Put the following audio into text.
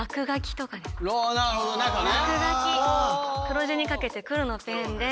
なるほどね。